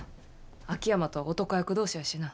秋山とは男役同士やしな。